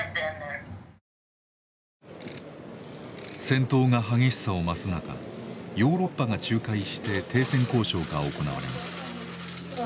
戦闘が激しさを増す中ヨーロッパが仲介して停戦交渉が行われます。